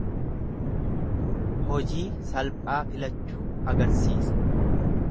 Hojii salphaa filachuu agarsiisa.